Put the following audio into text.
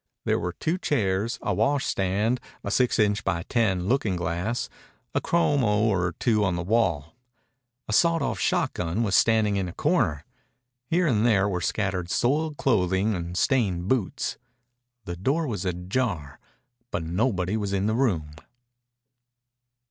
There were two chairs, a washstand, a six inch by ten looking glass, and a chromo or two on the wall. A sawed off shotgun was standing in a corner. Here and there were scattered soiled clothing and stained boots. The door was ajar, but nobody was in the room.